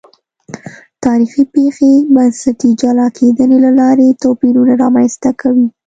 تاریخي پېښې بنسټي جلا کېدنې له لارې توپیرونه رامنځته کوي.